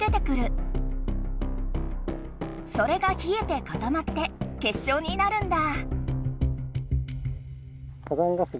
それがひえてかたまって結晶になるんだ。